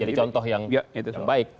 jadi contoh yang baik